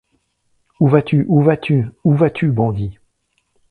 Où vas-tu? où vas-tu ? où vas-tu, bandit ?